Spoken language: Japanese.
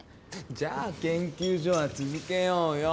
じゃあ研究所は続けようよ。